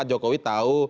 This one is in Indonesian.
pak jokowi tahu